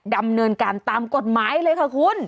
ดำเนินการตามกฎหมายเลยค่ะคุณ